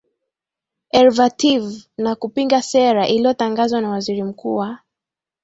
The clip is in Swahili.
ervative na kupinga sera iliyotangazwa na waziri mkuu wa